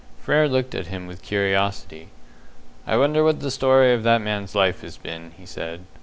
Frere looked at him with curiosity. "I wonder what the story of that man's life has been," he said.